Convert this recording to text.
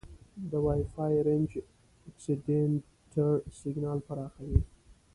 د وای فای رینج اکسټینډر سیګنال پراخوي.